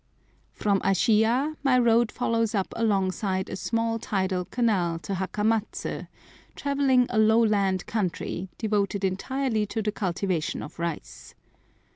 From Ashiyah my road follows up alongside a small tidal canal to Hakamatsu, traversing a lowland country, devoted entirely to the cultivation of rice.